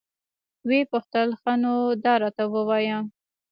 ويې پوښتل ښه نو دا راته ووايه.